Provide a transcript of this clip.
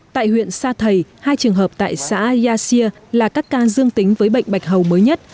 tại huyện sa thầy hai trường hợp tại xã yasia là các ca dương tính với bệnh bạch hầu mới nhất